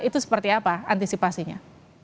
itu seperti apa antisipasinya